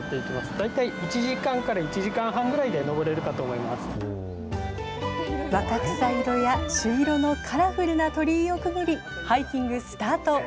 大体１時間から１時間半ぐらいで若草色や朱色のカラフルな鳥居をくぐり、ハイキングスタート。